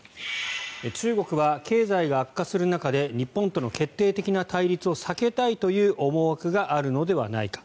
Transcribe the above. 中国は経済が悪化する中で日本との決定的な対立を避けたいという思惑があるのではないか。